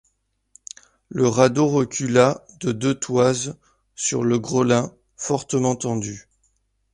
Le radeau recula de deux toises sur le grelin fortement tendu.